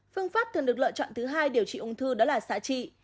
phương pháp thường được lựa chọn thứ hai điều trị ung thư đó là xạ trị